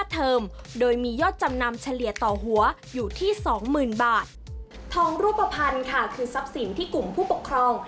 ทองรูปภัณฑ์ค่ะคือทรัพย์สินที่กลุ่มผู้ปกครอง